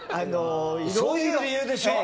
そういう理由でしょ？